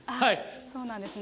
そうなんですね。